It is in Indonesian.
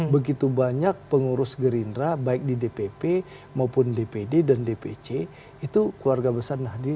begitu banyak pengurus gerindra baik di dpp maupun dpd dan dpc itu keluarga besar nahdi